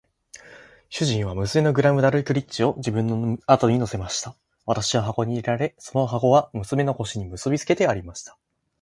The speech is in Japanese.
主人は娘のグラムダルクリッチを自分の後に乗せました。私は箱に入れられ、その箱は娘の腰に結びつけてありました。